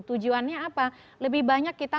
tujuannya apa lebih banyak kita